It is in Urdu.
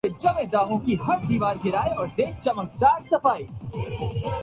برف پگھلنا شروع ہوتا ہے